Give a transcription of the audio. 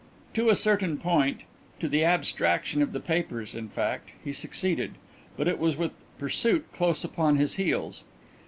To a certain point to the abstraction of the papers, in fact he succeeded, but it was with pursuit close upon his heels.